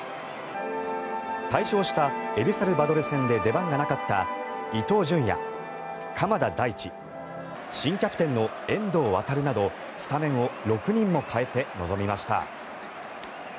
大勝したエルサルバドル戦で出番がなかった伊東純也、鎌田大地新キャプテンの遠藤航などスタメンを６人も代えて臨みました。